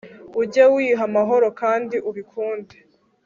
ujye wiha amahoro kandi ubikunde